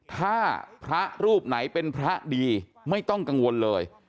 ถ้าพระรูปไหนเป็นพระดีไม่ต้องกังวลเลย